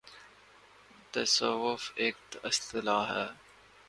' تصوف‘ ایک اصطلاح ہے۔